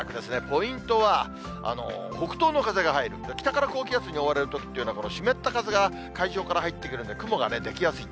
ポイントは、北東の風が入る、北から高気圧に覆われるときというのは、湿った風が海上から入ってくるんで、雲が出来やすい。